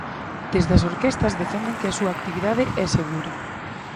Desde as orquestras defenden que a súa actividade é segura...